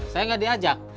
saya gak diajak